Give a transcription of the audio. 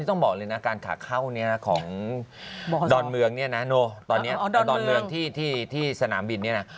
ต้องบอกเลยนะการขาเข้าเนี่ยของดอนเมืองเนี่ยนะตอนนี้ดอนเมืองที่สนามบินเนี่ยนะ